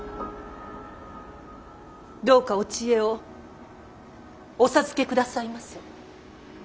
どうかお知恵をお授けくださいませ。